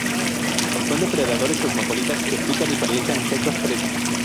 Son depredadores cosmopolitas que pican y paralizan insectos presa.